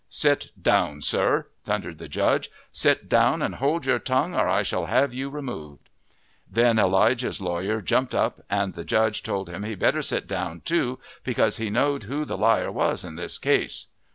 "Sit down, sir," thundered the judge; "sit down and hold your tongue, or I shall have you removed." Then Elijah's lawyer jumped up, and the judge told him he'd better sit down too because he knowed who the liar was in this case.